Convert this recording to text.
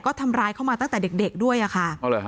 ก็ทำร้ายเขามาตั้งแต่เด็กด้วยอะค่ะ